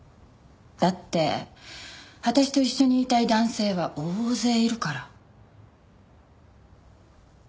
だって私と一緒にいたい男性は大勢いるから。